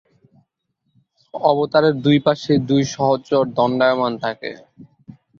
অবতারের দুইপাশে দুটি সহচর দণ্ডায়মান থাকে।